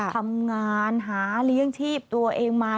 ทำงานหาเลี้ยงชีพตัวเองมา